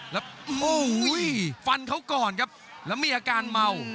แล้วโอ้โหฟันเขาก่อนครับแล้วมีอาการเมา